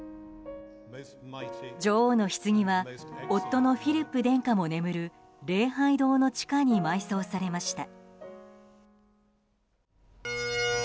女王のひつぎは夫のフィリップ殿下の眠る礼拝堂の地下に埋葬されました。